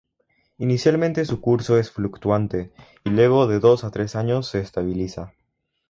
Inicialmente su curso es fluctuante y luego de dos a tres años se estabiliza.